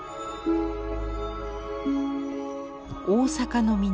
大阪の港。